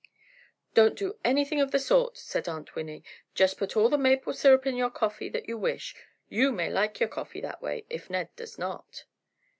"Don't do anything of the sort," said Aunt Winnie, "just put all the maple syrup in your coffee that you wish; you may like coffee that way, if Ned does not."